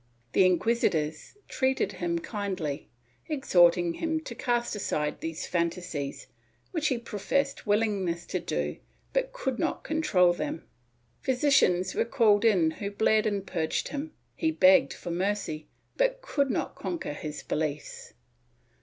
The inquisitors treated him kindly, exhorting him to cast aside these fancies, which he professed wil lingness to do but could not control them. Physicians were called in who bled and purged him; be begged for mercy, but could not conquer his beliefs.